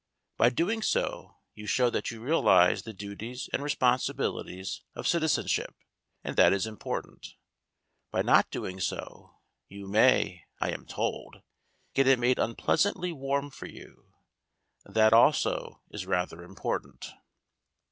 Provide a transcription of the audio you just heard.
By doing so you show that you realize the duties and responsibilities of citizen ship, and that is important. By not doing so you may, I am told, get it made unpleasantly warm for you ; that also is rather important.